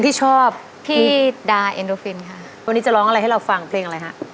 ที่ชอบพี่ค่ะวันนี้จะร้องอะไรให้เราฝังเพลงอะไรค่ะ